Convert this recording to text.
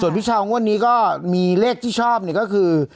ส่วนพี่ชาวของว่านี้ก็มีเลขที่ชอบนี่ก็คือ๑๕๑๘